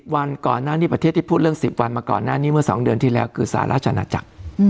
วันก่อนหน้านี้ประเทศที่พูดเรื่อง๑๐วันมาก่อนหน้านี้เมื่อ๒เดือนที่แล้วคือสหราชอาณาจักร